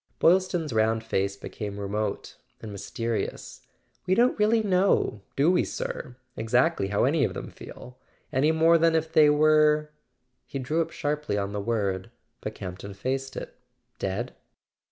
Boylston's round face became remote and mys¬ terious. "We don't really know—do we, sir?—exactly how any of them feel ? Any more than if they were " He drew up sharply on the word, but Campton faced it. "Dead?"